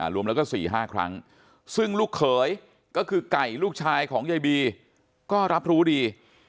รวมแล้วก็๔๕ครั้งซึ่งลูกเขยก็คือไก่ลูกชายของยายบีก็รับรู้ดี